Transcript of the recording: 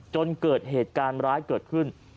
จนเกิดเหตุการณ์ร้ายเกิดขึ้น